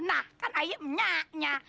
nah kan ayo menyaknya